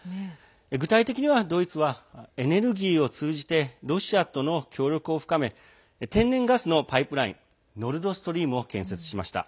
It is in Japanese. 具体的には、ドイツはエネルギーを通じてロシアとの協力を深め天然ガスのパイプラインノルドストリームを建設しました。